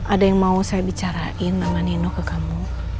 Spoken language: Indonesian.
ada yang mau saya bicarain sama nino ke kamu